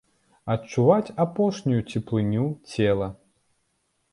Адчуваць апошнюю цеплыню цела.